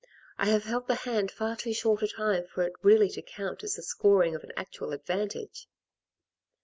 I have held the hand far too short a time for it really to count as the scoring of an actual advantage."